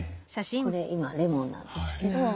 これ今レモンなんですけど。